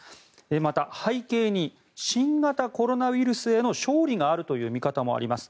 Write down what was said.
また、背景に新型コロナウイルスへの勝利があるという見方もあります。